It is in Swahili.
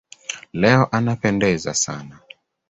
Leo anapendeza sana.